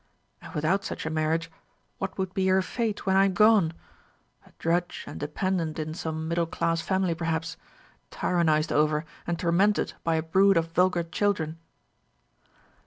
And without such a marriage, what would be her fate when I am gone? A drudge and dependent in some middle class family perhaps tyrannised over and tormented by a brood of vulgar children."